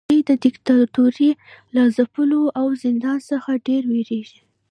دوی د دیکتاتورۍ له ځپلو او زندان څخه ډیر ویریږي.